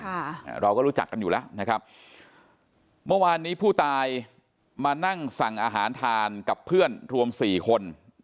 อ่าเราก็รู้จักกันอยู่แล้วนะครับเมื่อวานนี้ผู้ตายมานั่งสั่งอาหารทานกับเพื่อนรวมสี่คน